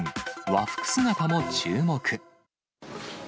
和服姿も注目。